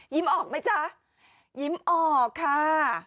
ออกไหมจ๊ะยิ้มออกค่ะ